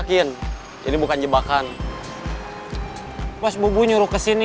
jangan lupa berlangganan ya